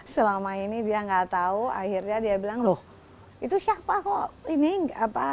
selama ini dia nggak tahu akhirnya dia bilang loh itu siapa kok ini apa